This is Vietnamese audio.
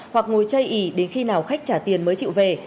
hoặc ngồi chơi ỉ đến khi nào khách trả tiền mới chịu về